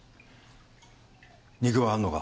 肉はあるのか？